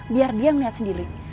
biar dia melihat sendiri